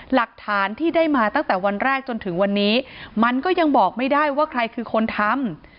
หลักฐานที่ได้มาตั้งแต่วันแรกจนถึงวันนี้มันก็ยังบอกไม่ได้ว่าใครคือคนทำ